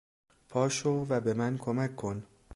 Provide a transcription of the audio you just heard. پاشو و بمن کمک کن!